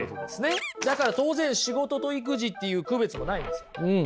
だから当然仕事と育児っていう区別もないんです。